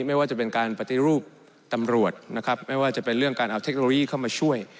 ไม่ว่าจะเป็นการปฏิรูปตำรวจนะครับไม่ว่าจะเป็นเรื่องการเอาเทคโนโลยีเข้ามาช่วย